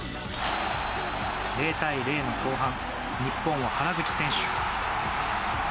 ０対０の後半日本は原口選手。